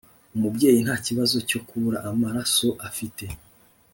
umubyeyi nta kibazo cyo kubura amaraso afite